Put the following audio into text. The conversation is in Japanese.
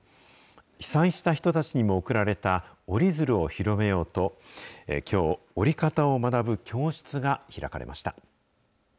被災した人たちにも贈られた折り鶴を広めようと、きょう、折り方を学ぶ教室が開かれました。